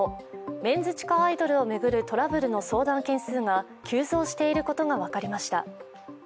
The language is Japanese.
メンズ地下アイドルを巡るトラブルの相談件数が急増していることが分かりました。